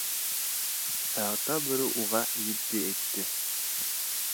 Ә Ата Бүре уға етди әйтте: